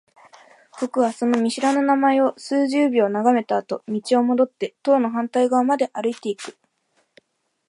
僕はその見知らぬ名前を数十秒眺めたあと、道を戻って棟の反対側まで歩いていく。